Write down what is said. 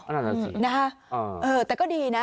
นั่นน่ะสินะฮะเออแต่ก็ดีนะ